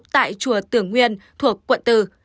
tại chùa tường nguyên thuộc quận bốn